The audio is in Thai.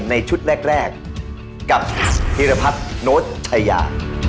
ในชุดแรกกับพิราภัฐโน๊ตชายา